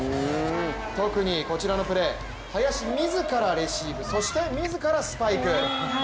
特にこちらのプレー林自らレシーブそして林自らスパイク。